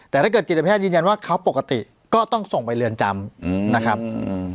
แต่ถ้าเกิดจิตแพทย์ยืนยันว่าเขาปกติก็ต้องส่งไปเรือนจำนะครับอืม